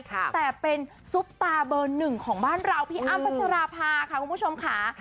แต่เป็นซุปตาเบอร์หนึ่งของบ้านเราพี่อ้ำพัชราภาค่ะคุณผู้ชมค่ะ